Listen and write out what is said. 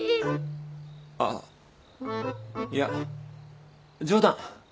あっいや冗談。